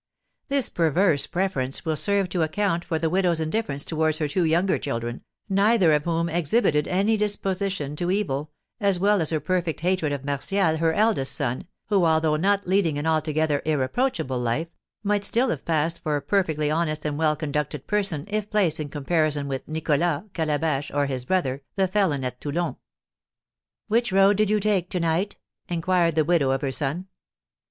This perverse preference will serve to account for the widow's indifference towards her two younger children, neither of whom exhibited any disposition to evil, as well as her perfect hatred of Martial, her eldest son, who, although not leading an altogether irreproachable life, might still have passed for a perfectly honest and well conducted person if placed in comparison with Nicholas, Calabash, or his brother, the felon at Toulon. "Which road did you take to night?" inquired the widow of her son.